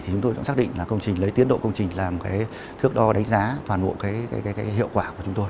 chúng tôi cũng xác định là công trình lấy tiến độ công trình là một thước đo đánh giá toàn bộ hiệu quả của chúng tôi